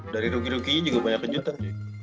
dari rugi ruginya juga banyak kejutan